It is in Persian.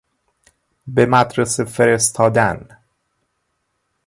به مدرسه فرستادن